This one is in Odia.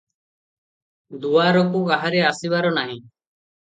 ଦୁଆରକୁ କାହାରି ଆସିବାର ନାହିଁ ।